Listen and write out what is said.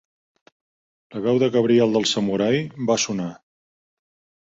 La veu de Gabriel del Samurai va sonar.